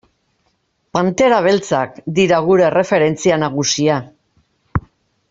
Pantera Beltzak dira gure erreferentzia nagusia.